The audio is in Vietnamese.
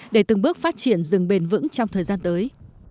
để từng bước phát triển rừng bền vững trong thời gian tới